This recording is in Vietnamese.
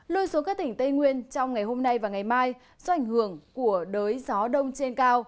lui xuống các tỉnh tây nguyên trong ngày hôm nay và ngày mai do ảnh hưởng của đới gió đông trên cao